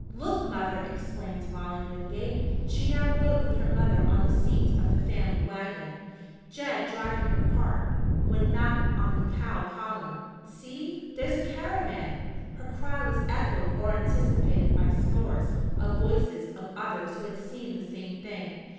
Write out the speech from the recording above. "Look, mother!" exclaimed Molly Wingate she now rode with her mother on the seat of the family wagon, Jed driving her cart when not on the cow column. "See! There's a caravan!" Her cry was echoed or anticipated by scores of voices of others who had seen the same thing.